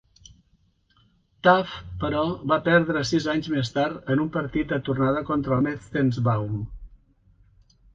Taft, però, va perdre sis anys més tard en un partit de tornada contra Metzenbaum.